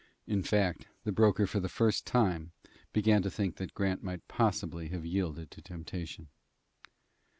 In fact, the broker for the first time began to think that Grant might possibly have yielded to temptation.